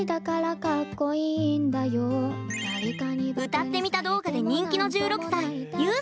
歌ってみた動画で人気の１６歳ゆう。